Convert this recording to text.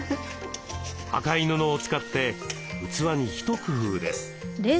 赤い布を使って器に一工夫です。